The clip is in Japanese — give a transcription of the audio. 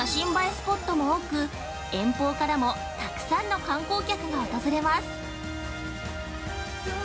スポットも多く遠方からもたくさんの観光客が訪れます。